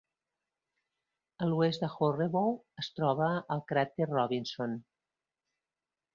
A l'oest de Horrebow es troba el cràter Robinson.